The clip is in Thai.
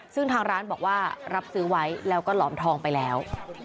ซึ่งทางร้านบอกว่ารับซื้อไว้แล้วก็หลอมทองไปแล้ว